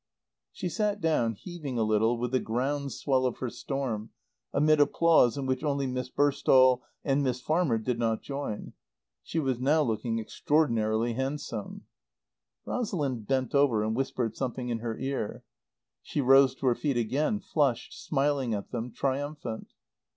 She sat down, heaving a little with the ground swell of her storm, amid applause in which only Miss Burstall and Miss Farmer did not join. She was now looking extraordinarily handsome. Rosalind bent over and whispered something in her ear. She rose to her feet again, flushed, smiling at them, triumphant.